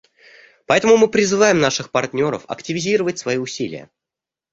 Поэтому мы призываем наших партнеров активизировать свои усилия.